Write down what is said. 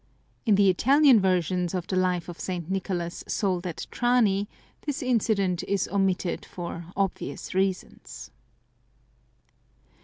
In the Italian versions of the Life of St, Nicolas sold at Trani, this incident is omitted for obvious reasons.